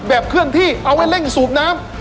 เคลื่อนที่เอาไว้เร่งสูบน้ำ